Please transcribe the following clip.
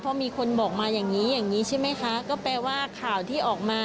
เพราะมีคนบอกมาอย่างนี้อย่างนี้ใช่ไหมคะก็แปลว่าข่าวที่ออกมา